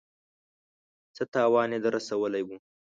څه تاوان يې در رسولی و.